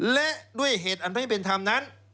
และด้วยเหตุอันไม่เป็นธรรมนั้น